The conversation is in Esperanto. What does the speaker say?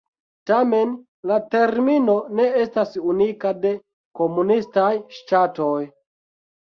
Tamen, la termino ne estas unika de komunistaj ŝtatoj.